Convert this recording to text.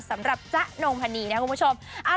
สำหรับจ๊ะนงพนีนะครับคุณผู้ชม